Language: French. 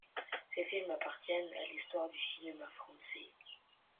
Ces films appartiennent à l'histoire du cinéma français.